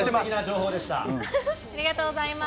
ありがとうございます。